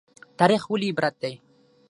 تاریخ ولې عبرت دی؟